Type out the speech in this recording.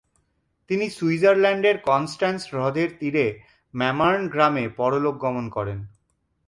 তিনি সুইজারল্যান্ডের কনস্ট্যান্স হ্রদের তীরে ম্যামার্ন গ্রামে পরলোকগমন করেন।